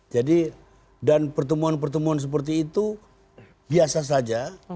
jadi dan pertemuan pertemuan seperti itu biasa saja